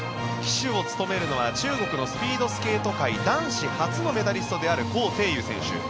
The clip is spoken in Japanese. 旗手を務めるのは中国のスピードスケート界男子初のメダリストであるコウ・テイウ選手。